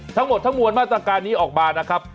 ทั้งหมดทั้งมวลมาตรการนี้ออกมานะครับ